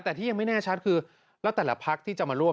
แต่ที่ยังไม่แน่ชัดคือแล้วแต่ละพักที่จะมาร่วม